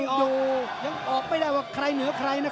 หรือว่าผู้สุดท้ายมีสิงคลอยวิทยาหมูสะพานใหม่